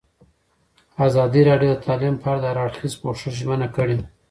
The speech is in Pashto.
ازادي راډیو د تعلیم په اړه د هر اړخیز پوښښ ژمنه کړې.